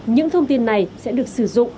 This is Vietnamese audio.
những thông tin này sẽ được sử dụng